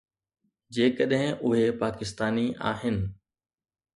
جيڪڏهن اهي پاڪستاني آهن.